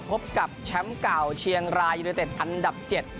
พบกับแชมป์เก่าเชียงรายยูนิเต็ดอันดับ๗